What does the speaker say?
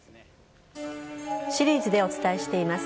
シリーズでお伝えしています